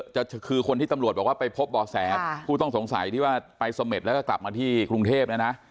จะคือคนที่ตำรวจบอกว่าไปพบบ่อแสผู้ต้องสงสัยที่ว่าไปเสม็ดแล้วก็กลับมาที่กรุงเทพเนี่ยนะ